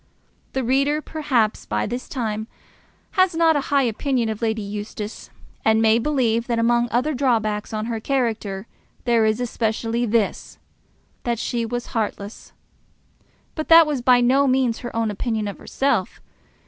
The reader, perhaps, by this time, has not a high opinion of Lady Eustace, and may believe that among other drawbacks on her character there is especially this, that she was heartless. But that was by no means her own opinion of herself.